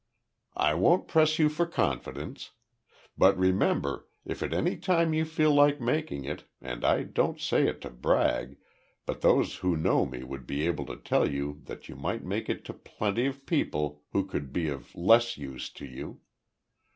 "I won't press you for confidence. But remember if at any time you feel like making it and I don't say it to brag, but those who know me would be able to tell you that you might make it to plenty of people who could be of less use to you.